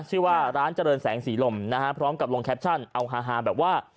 ชื่อว่าร้านเจริญแสงสีลมนะฮะพร้อมกับลงแคปชั่นเอาฮาแบบว่า